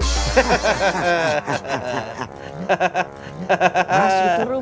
mas kuru banget kayaknya